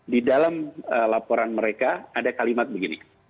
di dalam laporan mereka ada kalimat begini